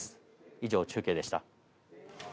以上、中継でした。